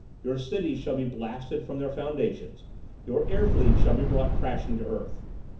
Your cities shall be blasted from their foundations. Your air fleets shall be brought crashing to earth.